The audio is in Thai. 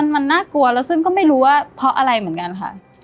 มันน่ากลัวแล้วซึ่งก็ไม่รู้ว่าเพราะอะไรเหมือนกันค่ะ